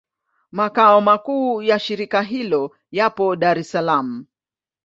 Makao makuu ya shirika hilo yapo Dar es Salaam.